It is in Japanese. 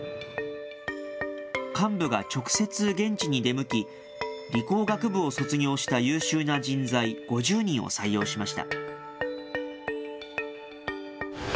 幹部が直接現地に出向き、理工学部を卒業した優秀な人材５０人を採用しました。